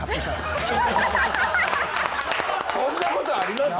そんなことあります？